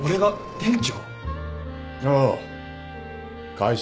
店長。